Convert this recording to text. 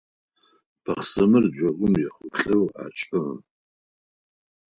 Бахъсымэр джэгум ехъулӏэу ашӏы.